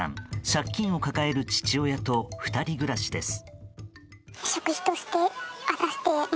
借金を抱える父親と２人暮らしです。